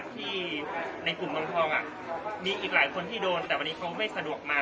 ที่ในกลุ่มเมืองทองมีอีกหลายคนที่โดนแต่วันนี้เขาไม่สะดวกมา